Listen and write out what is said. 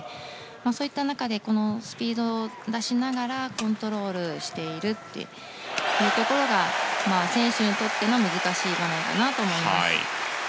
そういった中でスピードを出しながらコントロールしているというところが選手にとっての難しい場面だなと思います。